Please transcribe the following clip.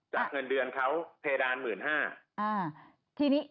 จากเงินเดือนเขาเพดาน๔๕๐๐๐